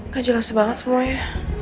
gak jelas banget semuanya